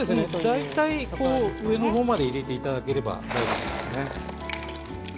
大体上の方まで入れていただければいいですね。